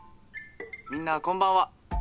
みんなこんばんは！